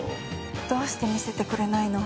どうして見せてくれないの？